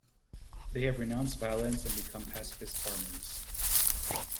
They have renounced violence and become pacifist farmers.